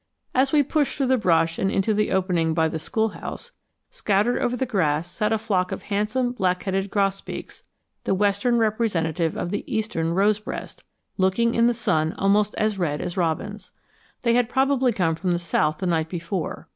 As we pushed through the brush and into the opening by the schoolhouse, scattered over the grass sat a flock of handsome black headed grosbeaks, the western representative of the eastern rose breast, looking, in the sun, almost as red as robins. They had probably come from the south the night before.